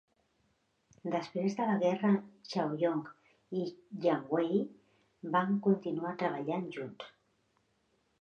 Després de la guerra, "Chaoyong" i "Yangwei" van continuar treballant junts.